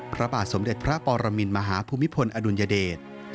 พระบาทสมเด็จพระปรมินมหาภูมิพลอดุลยเดช